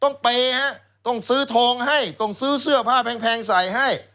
ต้องเปย์ฮะต้องซื้อทองให้ต้องซื้อเสื้อผ้าแพงใส่ให้